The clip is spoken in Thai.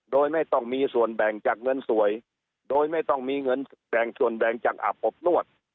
โดยไม่ต้องมีส่วนแบ่งจากเงินสวยโดยไม่ต้องมีเงินแบ่งส่วนแบ่งจังอาบอบนวด